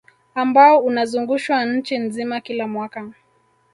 Ambao unazungushwa nchi nzima kila mwaka